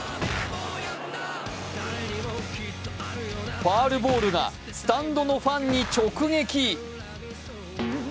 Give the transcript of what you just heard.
ファウルボールがスタンドのファンを直撃。